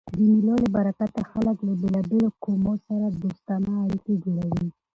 د مېلو له برکته خلک له بېلابېلو قومو سره دوستانه اړیکي جوړوي.